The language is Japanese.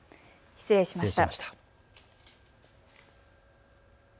失礼しました。